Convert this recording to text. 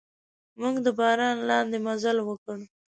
موږ د باران لاندې مزل وکړ.